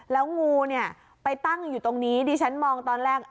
แล้วงูเนี่ยไปตั้งอยู่ตรงนี้ดิฉันมองตอนแรก